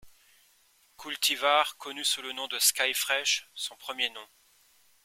Cultivar connu sous le nom de Skyfresh, son premier nom.